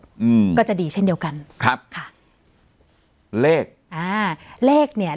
อืมก็จะดีเช่นเดียวกันครับค่ะเลขอ่าเลขเนี้ย